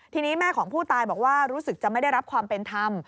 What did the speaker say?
ทีนี้แม่ของผู้ตายบอกว่ารู้สึกจะไม่ได้รับความเป็นธรรม